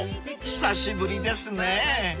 ［久しぶりですねぇ］